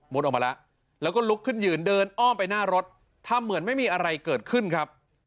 ออกมาแล้วแล้วก็ลุกขึ้นยืนเดินอ้อมไปหน้ารถทำเหมือนไม่มีอะไรเกิดขึ้นครับ